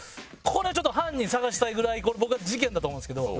これはちょっと犯人捜したいぐらい僕は事件だと思うんですけど。